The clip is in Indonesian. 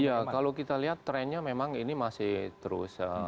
iya kalau kita lihat trennya memang ini masih terus